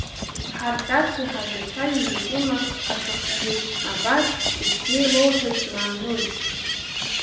Ҳарҭ раԥхьа ҳазлацәажәоз атема ҳацәыхҟьаӡеит, абас уҽзеилоуҳәаз змаанои?